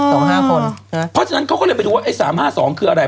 เพราะฉะนั้นเขาก็ไปดูว่าไอ๓๕๒คืออะไร